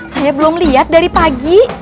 saya belum lihat dari pagi